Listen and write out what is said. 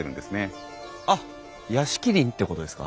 あっ屋敷林ってことですか？